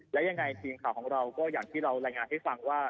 และยังไงทีมข่าวของเราก็อย่างที่เรารายงานให้ฟังว่า